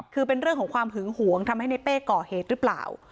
คือเป็นเรื่องของความหึงหวงทำให้ในเป้ก่อเหตุหรือเปล่า